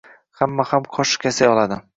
Hamma ham qoshiq yasay oladi